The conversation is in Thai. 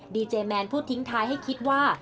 ดีเจแมนพูดทิ้งท้ายให้คิดว่า